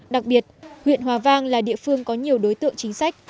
đặc biệt huyện hòa vang là địa phương có nhiều đối tượng chính sách